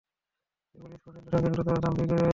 এগুলি স্পষ্ট নিদর্শন, কিন্তু তারা দাম্ভিকই রয়ে গেল।